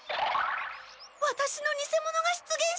ワタシの偽者が出現した！？